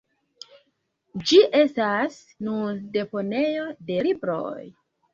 Ĝi estas nun deponejo de libroj.